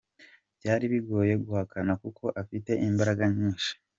Byari bigoye guhakana kuko afite imbaraga nyinshi.